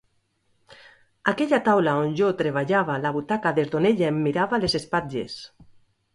Aquella taula on jo treballava, la butaca des d’on ella em mirava les espatles.